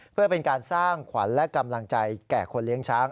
เพื่อเป็นการสร้างขวัญและกำลังใจแก่คนเลี้ยงช้าง